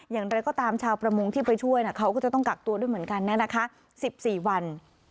อย่างไรก็ตามชาวประมงที่ไปช่วยเขาก็จะต้องกักตัวด้วยเหมือนกันนะคะ๑๔วัน